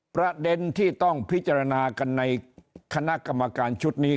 ประเด็นที่ต้องพิจารณากันในคณะกรรมการชุดนี้